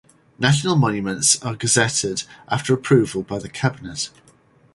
National Monuments are gazetted after approval by the cabinet.